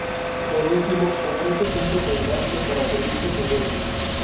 Por último, ofrece puntos de enganche para servicios seguros.